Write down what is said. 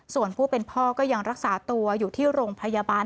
ส่วนผู้เป็นพ่อก็ยังรักษาตัวอยู่ที่โรงพยาบาล